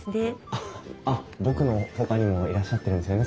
あっ僕のほかにもいらっしゃってるんですよね